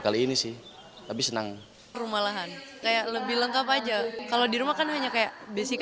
kali ini sih lebih senang rumah lahan kayak lebih lengkap aja kalau di rumah kan hanya kayak basica